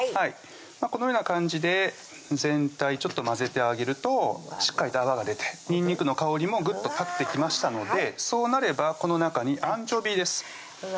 このような感じで全体ちょっと混ぜてあげるとしっかりと泡が出てにんにくの香りもグッと立ってきましたのでそうなればこの中にアンチョビーですうわ